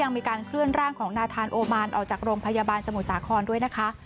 มีการเคลื่อนร่างของนาธานโอมานออกจากโรงพยาบาลสมุทรสาครด้วยนะคะ